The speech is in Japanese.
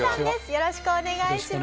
よろしくお願いします。